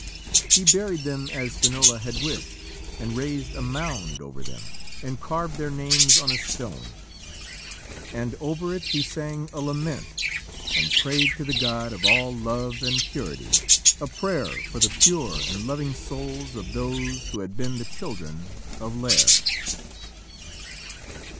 He buried them as Finola had wished, and raised a mound over them, and carved their names on a stone. And over it he sang a lament and prayed to the God of all love and purity, a prayer for the pure and loving souls of those who had been the children of Lîr.